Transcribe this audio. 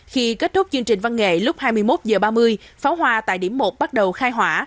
khi kết thúc chương trình văn nghệ lúc hai mươi một h ba mươi pháo hoa tại điểm một bắt đầu khai hỏa